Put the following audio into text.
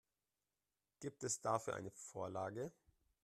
Gibt es dafür eine Vorlage?